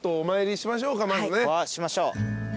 しましょう。